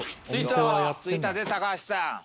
着いたぜ高橋さん。